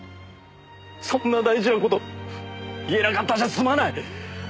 そんな大事な事言えなかったじゃ済まない！